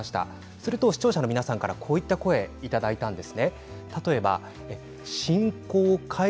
すると視聴者の皆さんからこういった声をいただいたんです。